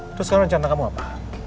terus sekarang rencana kamu apa